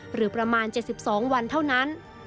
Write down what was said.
หรือประมาณ๗๒วันเท่านั้น